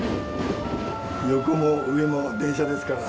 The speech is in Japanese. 横も上も電車ですから。